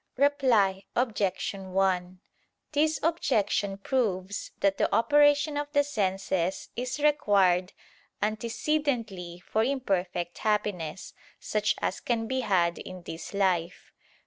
Reply Obj. 1: This objection proves that the operation of the senses is required antecedently for imperfect happiness, such as can be had in this life.